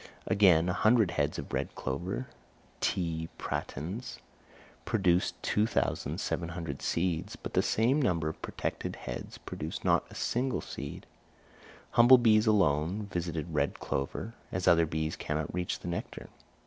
Again, 100 heads of red clover (T. pratense) produced 2,700 seeds, but the same number of protected heads produced not a single seed. Humble bees alone visit red clover, as other bees cannot reach the nectar.